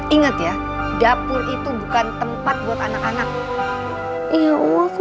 ingat ya dapur itu bukan tempat buat anak anak